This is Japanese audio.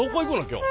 今日。